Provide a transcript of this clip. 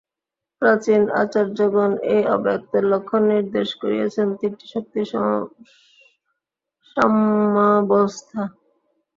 প্রাচীন আচার্যগণ এই অব্যক্তের লক্ষণ নির্দেশ করিয়াছেন তিনটি শক্তির সাম্যাবস্থা।